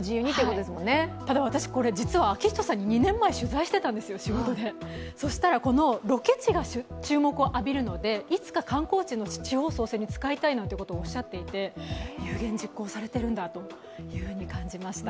私、実はＡＫＩＨＩＴＯさんに２年前に取材していたんですよそしたらロケ地が注目を浴びるので、いつか観光地の地方創生に使いたいなんてことをおっしゃっていて、有言実行されてるんだと感じました。